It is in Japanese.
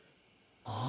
ああ。